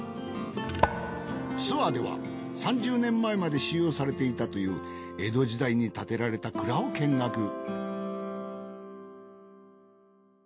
ツアーでは３０年前まで使用されていたという江戸時代に建てられた蔵を見学。